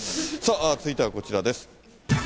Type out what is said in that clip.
続いてはこちらです。